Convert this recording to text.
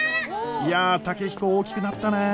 いや健彦大きくなったね。